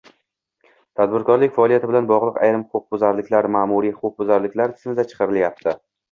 Tadbirkorlik faoliyati bilan bog‘liq ayrim huquqbuzarliklar ma’muriy huquqbuzarliklar tizimidan chiqarilyapti